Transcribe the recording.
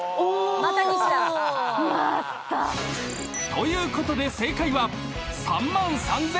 ［ということで正解は］